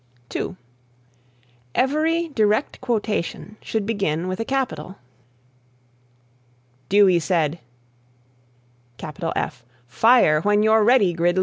(2) Every direct quotation should begin with a capital; "Dewey said, 'Fire, when you're ready, Gridley!'"